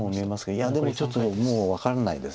いやでもちょっともう分からないです